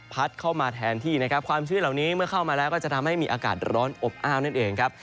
เข้ามาแทนที่นะครับความชื้นเหล่านี้เมื่อเข้ามาแล้วก็จะทำให้มีอากาศร้อนอบอ้าวนั่นเองครับ